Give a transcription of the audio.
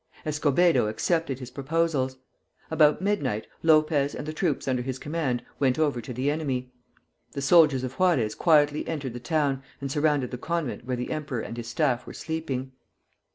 Escobedo accepted his proposals. About midnight Lopez and the troops under his command went over to the enemy. The soldiers of Juarez quietly entered the town, and surrounded the convent where the emperor and his staff were sleeping.